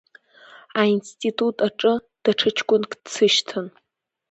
Аинститут аҿы даҽа ҷкәынак дсышьҭан.